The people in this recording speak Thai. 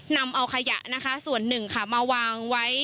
นำเอาขยะนะคะส่วนหนึ่งค่ะมาวางไว้